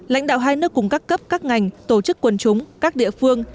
lãnh đạo hai nước cùng các cấp các ngành tổ chức quần chúng các địa phương